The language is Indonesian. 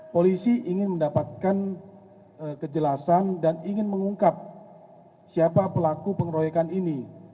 polisi ingin mendapatkan kejelasan dan ingin mengungkap siapa pelaku pengeroyokan ini